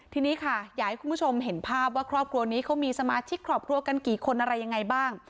ทีนี้ค่ะอยากให้คุณผู้ชมเห็นภาพว่าครอบครัวนี้เขามีสมาชิกครอบครัวกันกี่คนอะไรยังไงบ้าง